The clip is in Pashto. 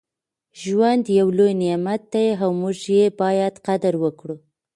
ژوند یو لوی نعمت دی او موږ یې باید قدر وکړو.